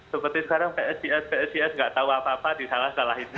seperti sekarang psjs psis nggak tahu apa apa disalah salahin